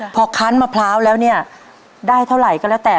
พอคั้นมะพร้าวแล้วเนี่ยได้เท่าไหร่ก็แล้วแต่